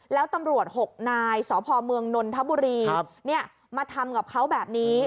แล้วตำรวจ๖นายสพเมืองนนทบุรีมาทำกับเขาแบบนี้